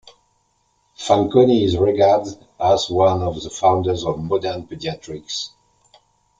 Fanconi is regarded as one of the founders of modern pediatrics.